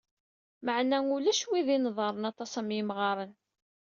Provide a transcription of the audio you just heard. Meɛna ulac wid yenḍerren aṭas am yimɣaren.